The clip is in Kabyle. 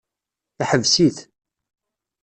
Yeḥbes-it.